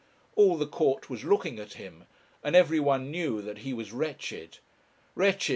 All the court was looking at him, and every one knew that he was wretched. Wretched!